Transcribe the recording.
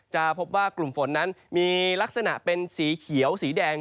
จะพบว่ากลุ่มฝนนั้นมีลักษณะเป็นสีเขียวสีแดง